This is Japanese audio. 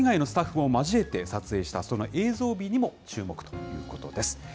海外のスタッフも交えて撮影したその映像美にも注目ということです。